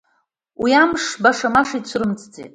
Уи амш баша-маша ицәырымҵӡеит.